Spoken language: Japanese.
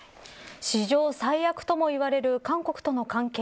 史上最悪ともいわれる韓国との関係。